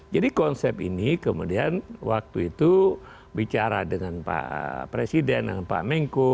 jadi konsep ini kemudian waktu itu bicara dengan pak presiden pak mengko